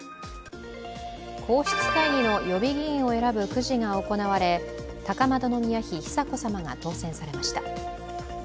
皇室会議の予備議員を選ぶくじが行われ高円宮妃久子さまが当選されました。